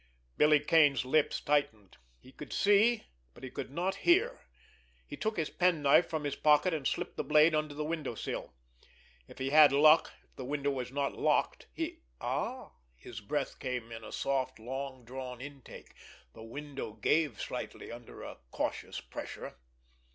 Billy Kane's lips tightened. He could see, but he could not hear. He took his penknife from his pocket, and slipped the blade under the window sill. If he had luck, if the window was not locked, he—ah!—his breath came in a soft, long drawn intake—the window gave slightly under a cautious pressure.